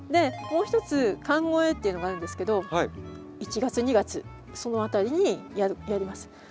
もう一つ寒肥っていうのがあるんですけど１月２月そのあたりにやります。